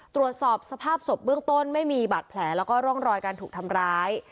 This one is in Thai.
ตรวจสอบสภาพศพเบื้องต้นไม่มีบาดแผลแล้วก็ร่องรอยการถูกทำร้าย